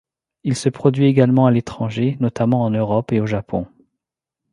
Il se produit également à l’étranger notamment en Europe et au Japon.